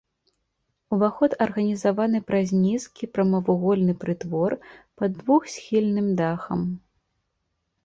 Уваход арганізаваны праз нізкі прамавугольны прытвор пад двухсхільным дахам.